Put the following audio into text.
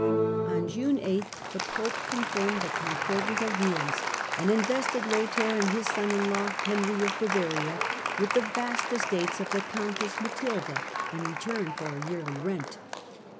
On June 8th the Pope con 1133 firmed the Concordat of Worms and invested Lothair and his son in law, Henry of Bavaria, with the vast estates of the Countess Matilda, in return for a yearly rent.